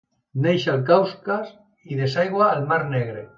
Neix al Caucas i desaigua al Mar Negre.